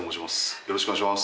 よろしくお願いします。